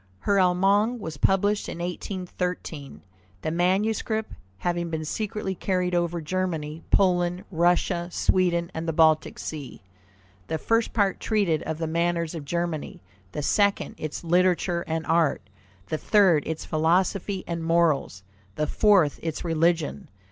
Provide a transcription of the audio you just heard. Her Allemagne was published in 1813, the manuscript having been secretly carried over Germany, Poland, Russia, Sweden, and the Baltic Sea. The first part treated of the manners of Germany; the second, its literature and art; the third, its philosophy and morals; the fourth, its religion.